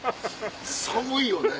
寒いよね。